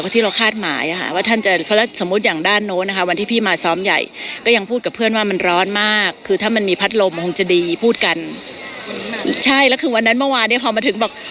ปาดหนึ่งพลังใช่แล้วคือวันนั้นเมื่อวันเนี้ยพอมาถึงบอก